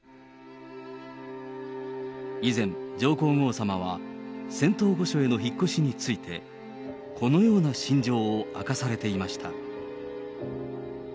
以前、上皇后さまは仙洞御所への引っ越しについて、このような心情を明かされていました。